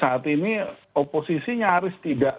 saat ini oposisi nyaris tidak